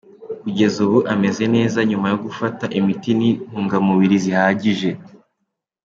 Kugeza ubu ameze neza nyuma yo gufata imiti n’intungamubiri zihagije.